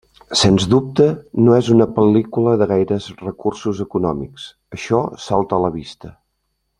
Sens dubte no és una pel·lícula de gaires recursos econòmics, això salta a la vista.